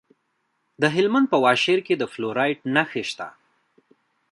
د هلمند په واشیر کې د فلورایټ نښې شته.